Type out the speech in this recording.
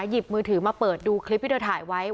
หยิบมือถือมาเปิดดูคลิปที่เธอถ่ายไว้